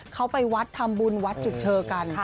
เขาไปวัดทำบุญวัดจุดเชอกัน